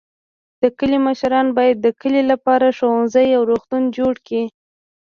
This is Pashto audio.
د کلي مشران باید د کلي لپاره ښوونځی او روغتون جوړ کړي.